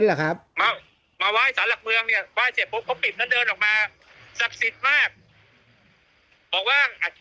นี่กดประตูปุ๊บอย่างนี้เขาปิดประตูเนี่ย